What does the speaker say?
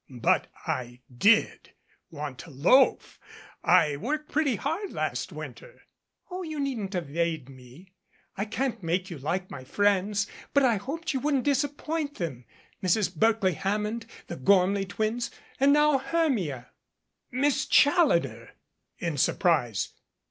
But I did want to loaf I worked pretty hard last winter." "Oh, you needn't evade me. I can't make you like my friends. But I hoped you wouldn't disappoint them. Mrs. Berkley Hammond, the Gormeley twins, and now Her mia " "Miss Challoner!" in surprise.